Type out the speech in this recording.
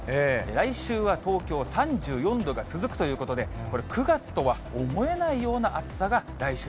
来週は東京３４度が続くということで、これ、９月とは思えないよ